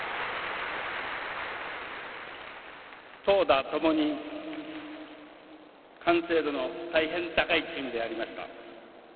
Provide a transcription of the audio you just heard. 投打ともに完成度の大変高いチームでありました。